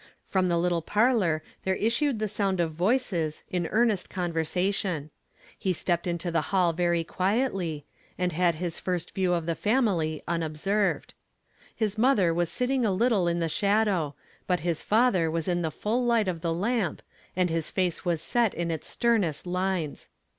From the little parh»r there issued the so'.nd of voices m earnest convei sation. Jle steppe., into the hall very quietly, and Iiad liis fn st view of the family unobserved. His mother was sitting a little in the shadow; but his father was in the fnll light of the lamp, and his fa(H. was set in its sternest Inies.